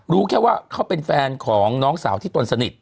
รู้แค่ว่าเขาเป็นแฟนของน้องสาวที่ตนสนิท